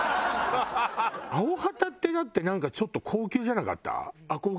アヲハタってだってなんかちょっと高級じゃなかった？